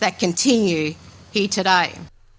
yang terus berterusan di sini hari ini